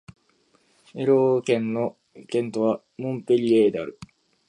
エロー県の県都はモンペリエである